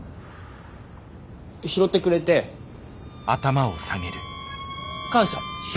拾ってくれて感謝。